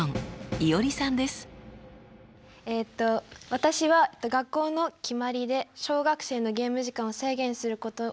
私は学校の決まりで小学生のゲーム時間を制限することに反対です。